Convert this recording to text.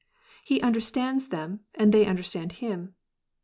He understands them, and they understand him.